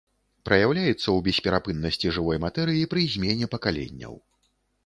Праяўляецца ў бесперапыннасці жывой матэрыі пры змене пакаленняў.